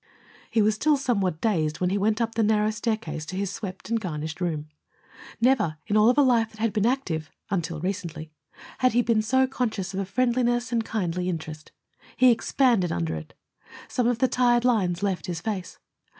He was still somewhat dazed when he went up the narrow staircase to his swept and garnished room. Never, in all of a life that had been active, until recently, had he been so conscious of friendliness and kindly interest. He expanded under it. Some of the tired lines left his face.